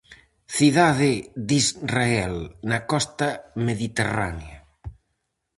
Cidade de Israel, na costa mediterránea.